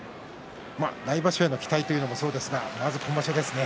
来場所への期待もそうですがまずは今場所ですね。